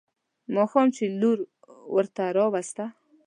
ماښام چې لور ورته راوسته.